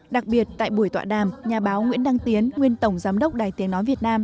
đặc biệt tại buổi tọa đàm nhà báo nguyễn đăng tiến nguyên tổng giám đốc đài tiếng nói việt nam